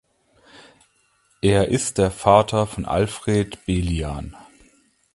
Er ist der Vater von Alfred Belian.